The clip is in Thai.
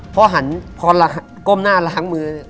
พอหันก้มหน้าล้างมือ